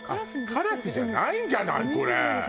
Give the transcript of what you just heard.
カラスじゃないんじゃないこれ！